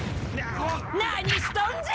何しとんじゃ！